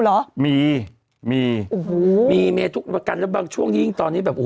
เหรอมีมีโอ้โหมีมีทุกประกันแล้วบางช่วงยิ่งตอนนี้แบบโอ้โห